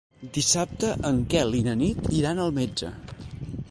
Dissabte en Quel i na Nit iran al metge.